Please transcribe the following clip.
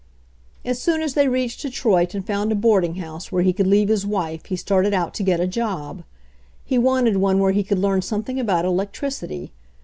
As soon as they reached Detroit and found a boarding house where he could leave his wife he started out to get a job. He wanted one where he could learn something about electricity.